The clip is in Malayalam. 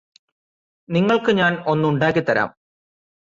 നിങ്ങൾക്ക് ഞാന് ഒന്നുണ്ടാക്കി തരാം